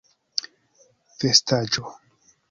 vestaĵo